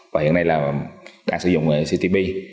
và hiện nay đang sử dụng công nghệ in ctb